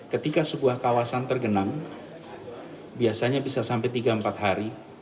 ketika sebuah kawasan tergenang biasanya bisa sampai tiga empat hari